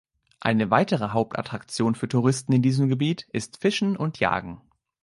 Eine weitere Hauptattraktion für Touristen in diesem Gebiet ist Fischen und Jagen.